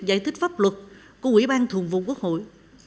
giải thích pháp luật của quỹ ban thường vụ quốc hội